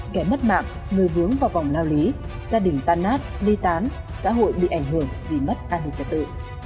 kẻ mất mạng người vướng vào vòng lao lý gia đình tan nát ly tán xã hội bị ảnh hưởng vì mất an ninh trật tự